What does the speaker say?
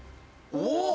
おっ！